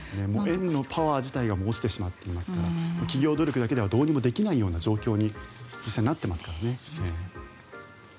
円のパワー自体が落ちてしまっていますから企業努力だけではどうにもならないような状態になっていますからね。